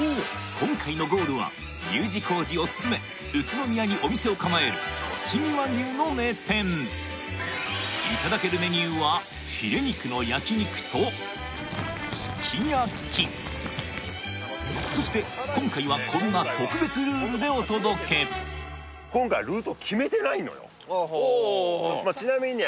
今回のゴールはＵ字工事おすすめ宇都宮にお店を構えるとちぎ和牛の名店いただけるメニューはフィレ肉の焼肉とすき焼きそしてああはあはあああああまあちなみにね